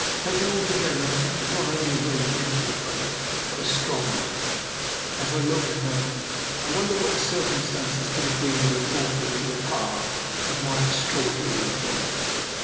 Taken altogether, it was not only a very beau tiful face, but a strong one, and as I looked at her I wondered what the circumstances could have been that had brought her into the power of my extraordinary employer.